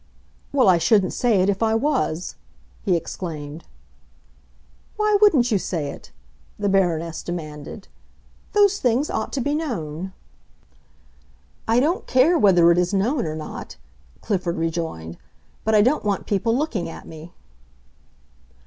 "Well, I shouldn't say it if I was!" he exclaimed. "Why wouldn't you say it?" the Baroness demanded. "Those things ought to be known." "I don't care whether it is known or not," Clifford rejoined. "But I don't want people looking at me."